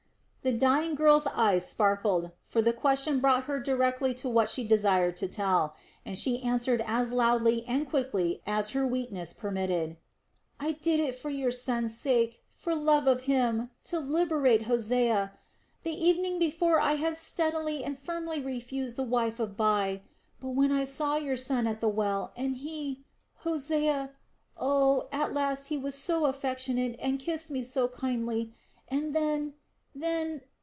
The dying girl's eyes sparkled, for the question brought her directly to what she desired to tell, and she answered as loudly and quickly as her weakness permitted: "I did it for your son's sake, for love of him, to liberate Hosea. The evening before I had steadily and firmly refused the wife of Bai. But when I saw your son at the well and he, Hosea.... Oh, at last he was so affectionate and kissed me so kindly... and then then....